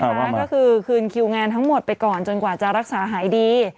ก็คือคืนคิวงานทั้งหมดไปก่อนจนกว่าจะรักษาหายดี